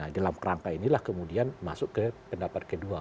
dalam rangka inilah kemudian masuk ke pendapat kedua